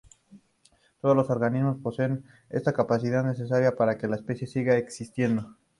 Todos los organismos poseen esta capacidad, necesaria para que la especie siga existiendo.